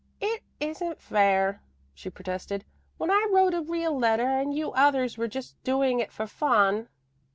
"It isn't fair," she protested, "when I wrote a real letter and you others were just doing it for fun."